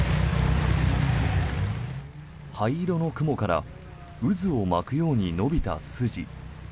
灰色の雲から渦を巻くように延びた筋。